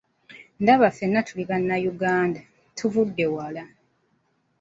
Ndaba ffena tuli baaluganda, tuvudde wala!